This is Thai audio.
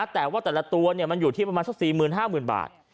แต่ว่าแต่ละตัวมันอยู่ที่ประมาณสักสี่หมื่นห้าหมื่นบาท